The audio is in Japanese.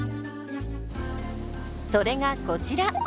それがこちら。